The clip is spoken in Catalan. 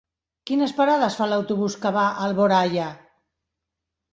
Quines parades fa l'autobús que va a Alboraia?